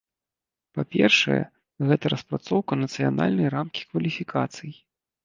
Па-першае, гэта распрацоўка нацыянальнай рамкі кваліфікацый.